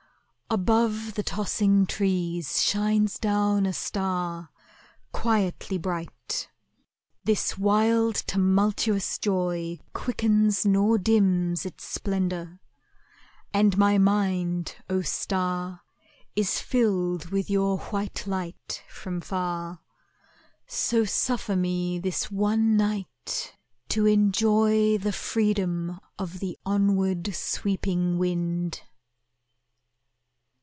Above the tossing trees shines down a star, Quietly bright; this wild, tumultuous joy Quickens nor dims its splendour. And my mind, O Star! is filled with your white light, from far, So suffer me this one night to enjoy The freedom of the onward sweeping wind.